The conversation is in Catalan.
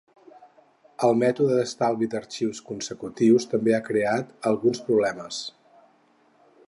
El mètode d'estalvi d'arxius consecutius també ha creat alguns problemes.